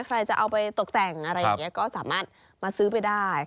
ใครจะเอาไปตกแต่งอะไรอย่างนี้ก็สามารถมาซื้อไปได้